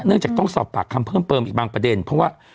จากต้องสอบปากคำเพิ่มเติมอีกบางประเด็นเพราะว่า